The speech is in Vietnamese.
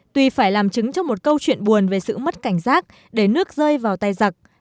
tuy phải làm chứng cho một câu chuyện buồn về sự mất cảnh giác để nước rơi vào tay giặc